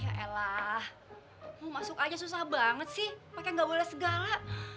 ya elah mau masuk aja susah banget sih pake ga boleh segala